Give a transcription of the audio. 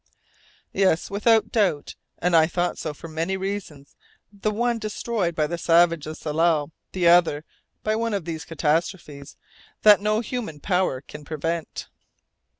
Yes, without doubt, and I thought so for many reasons, the one destroyed by the savages of Tsalal, the other by one of these catastrophes that no human power can prevent.